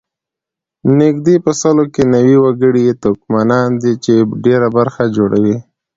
نږدې په سلو کې نوي وګړي یې ترکمنان دي چې ډېره برخه جوړوي.